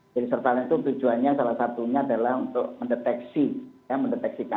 jadi surveillance itu tujuannya salah satunya adalah untuk menghasilkan kesehatan yang terjadi di indonesia ini ya